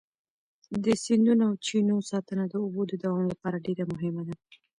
د سیندونو او چینو ساتنه د اوبو د دوام لپاره ډېره مهمه ده.